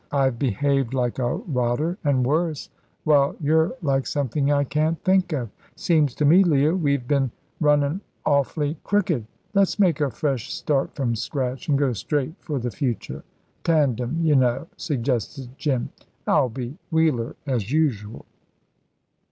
I've behaved like a rotter, and worse, while you're like something I can't think of. Seems to me, Leah, we've been runnin' awf'ly crooked. Let's make a fresh start from scratch, and go straight for the future. Tandem, y' know," suggested Jim; "I'll be wheeler, as usual."